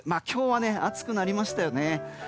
今日は暑くなりましたよね。